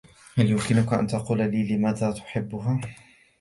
هل يمكنك أن تقول لي لماذا تحبها ؟